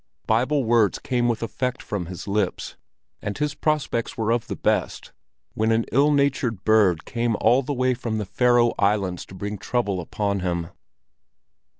Bible words came with effect from his lips, and his prospects were of the best, when an ill natured bird came all the way from the Faroe Islands to bring trouble upon him.